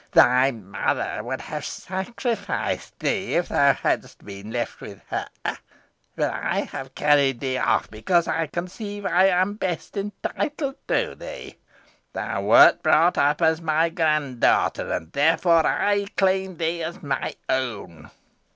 "Thy mother would have sacrificed thee if thou hadst been left with her; but I have carried thee off, because I conceive I am best entitled to thee. Thou wert brought up as my grand daughter, and therefore I claim thee as my own."